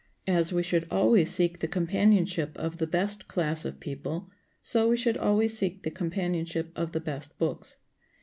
As we should always seek the companionship of the best class of people, so we should always seek the companionship of the best books.